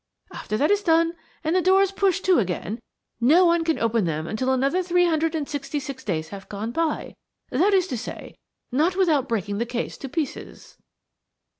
After that is done, and the doors pushed to again, no one can open them until another three hundred and sixty six days have gone by–that is to say, not without breaking the case to pieces."